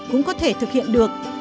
cũng có thể thực hiện được